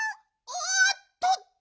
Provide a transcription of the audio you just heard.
おっとっと。